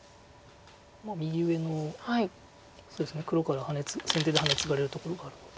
右上の黒から先手でハネツガれるところがあって。